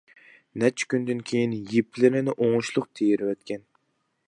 نەچچە كۈندىن كېيىن يىپلىرىنى ئوڭۇشلۇق تېرىۋەتكەن.